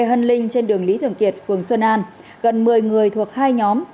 lê hân linh trên đường lý thường kiệt phường xuân an gần một mươi người thuộc hai nhóm